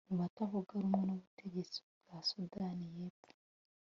mu batavuga rumwe n' ubutegetsi bwa sudani yepfo